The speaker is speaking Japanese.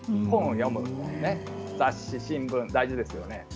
本を読む、雑誌、新聞大事ですよね。